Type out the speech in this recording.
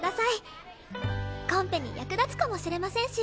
コンペに役立つかもしれませんし。